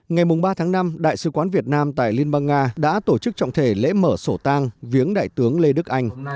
ngày ba tháng năm đại sứ quán việt nam tại liên bang nga đã tổ chức trọng thể lễ mở sổ tang viếng đại tướng lê đức anh